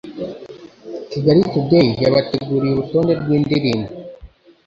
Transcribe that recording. Kigali Today yabateguriye urutonde rw'indirimbo